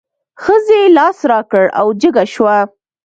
ښځې لاس را کړ او جګه شوه.